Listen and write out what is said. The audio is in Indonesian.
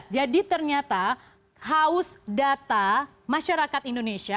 jadi ternyata haus data